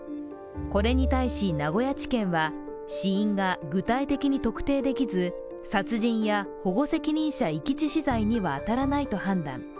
これに対し名古屋地検は死因が具体的に特定できず殺人や保護責任者遺棄致死罪には当たらないと判断。